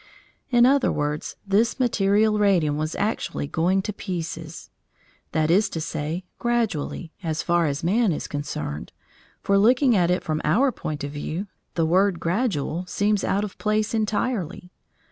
In other words, this material radium was actually going to pieces. That is to say, gradually, as far as man is concerned, for, looking at it from our point of view, the word gradual seems out of place entirely.